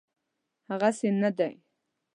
هغسي نه دی.